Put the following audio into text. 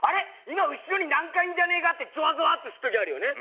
今後ろになんかいるんじゃねえか？ってゾワゾワってする時あるよね。